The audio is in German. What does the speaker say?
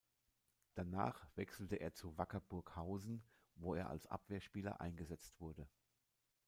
Danach wechselte er zu Wacker Burghausen, wo er als Abwehrspieler eingesetzt wurde.